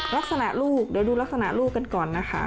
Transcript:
ลักษณะลูกเดี๋ยวดูลักษณะลูกกันก่อนนะคะ